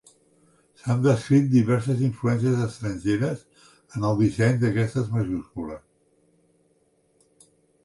S'han descrit diverses influències estrangeres en el disseny d'aquestes majúscules.